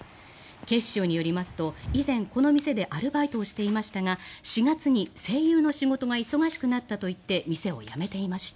警視庁によりますと以前、この店でアルバイトをしていましたが４月に声優の仕事が忙しくなったといって店を辞めていました。